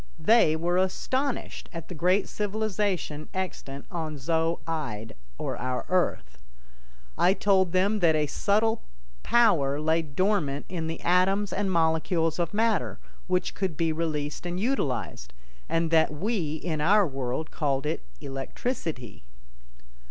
They were astonished at the great civilization extant on Zo ide, or our Earth. I told them that a subtile power lay dormant in the atoms and molecules of matter, which could be released and utilized, and that we in our world called it "electricity."